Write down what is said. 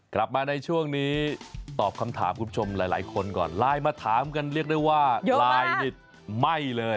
กลับมาในช่วงนี้ตอบคำถามคุณผู้ชมหลายคนก่อนไลน์มาถามกันเรียกได้ว่าไลน์นี่ไหม้เลย